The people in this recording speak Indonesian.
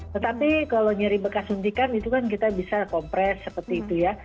tetapi kalau nyari bekas suntikan itu kan kita bisa kompres seperti itu ya